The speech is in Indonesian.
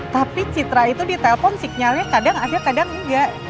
tapi citra itu ditelepon signalnya kadang ada kadang enggak